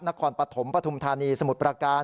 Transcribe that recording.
นครปฐมปฐุมธานีสมุทรประการ